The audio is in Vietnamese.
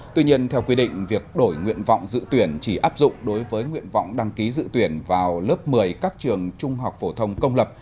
tuy nhiên theo quy định việc đổi nguyện vọng dự tuyển chỉ áp dụng đối với nguyện vọng đăng ký dự tuyển vào lớp một mươi các trường trung học phổ thông công lập